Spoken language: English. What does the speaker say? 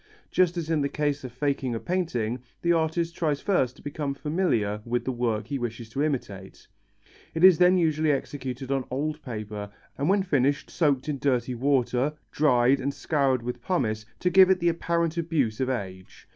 Just as in the case of faking a painting, the artist tries first to become familiar with the work he wishes to imitate. It is then usually executed on old paper and when finished soaked in dirty water, dried and scoured with pumice to give it the apparent abuse of age.